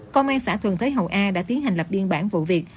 công an xã thường thế hậu a đã tiến hành lập điên bản vụ việc